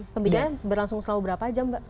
pembicaraan berlangsung selama berapa jam mbak